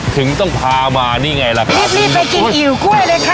ถึงต้องพามานี่ไงล่ะครับรีบรีบไปกินอิ๋วกล้วยเลยค่ะ